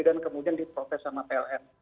dan kemudian diprotes sama pln